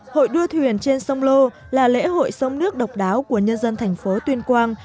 hội đua thuyền trên sông lô là lễ hội sông nước độc đáo của nhân dân thành phố tuyên quang